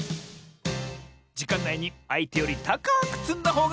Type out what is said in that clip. じかんないにあいてよりたかくつんだほうがかちサボよ！